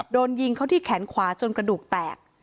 โดนยิงเขาที่แขนขวาจนกระดูกแตก